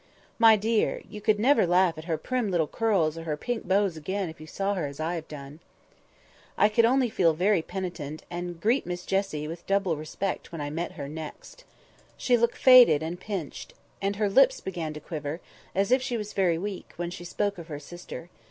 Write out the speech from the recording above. My dear! you could never laugh at her prim little curls or her pink bows again if you saw her as I have done." I could only feel very penitent, and greet Miss Jessie with double respect when I met her next. She looked faded and pinched; and her lips began to quiver, as if she was very weak, when she spoke of her sister.